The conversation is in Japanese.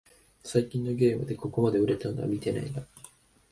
最近のゲームでここまで売れたのは見てないな